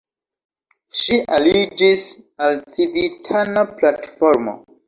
Ŝi aliĝis al Civitana Platformo.